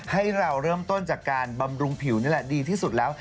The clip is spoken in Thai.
ให้เราเริ่มต้นจากการบำรุงผิวนี่แหละดีที่สุดแล้ว